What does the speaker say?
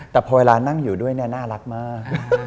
แต่พอเวลานั่งอยู่ด้วยเนี่ยน่ารักมาก